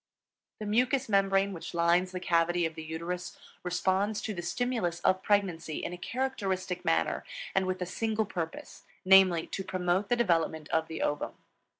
The mucous membrane which lines the cavity of the uterus responds to the stimulus of pregnancy in a characteristic manner and with a single purpose, namely, to promote the development of the ovum.